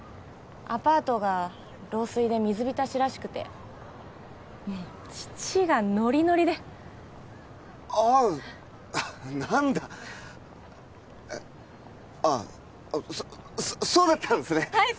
アパートが漏水で水浸しらしくてもう父がノリノリでああ何だえっああそそうだったんですねはい